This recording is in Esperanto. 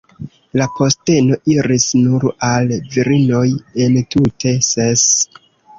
La posteno iris nur al virinoj, entute ses.